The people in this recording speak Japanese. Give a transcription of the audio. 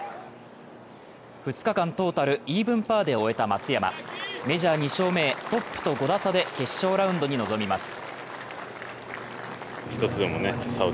２日間トータルイーブンパーで終えた松山、メジャー２勝目へ、トップと５打差で決勝ラウンドに臨みます。